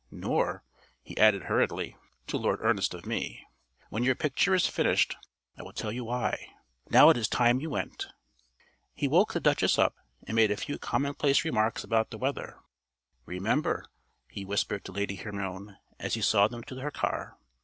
Nor," he added hurriedly, "to Lord Ernest of me. When your picture is finished I will tell you why. Now it is time you went." He woke the Duchess up, and made a few commonplace remarks about the weather. "Remember," he whispered to Lady Hermione as he saw them to their car.